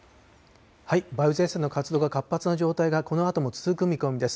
梅雨前線の活動が活発な状態がこのあとも続く見込みです。